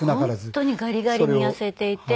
本当にガリガリに痩せていて。